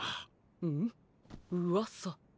ん？うわさ？